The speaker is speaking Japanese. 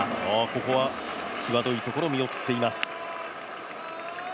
ここは際どいところを見送っています。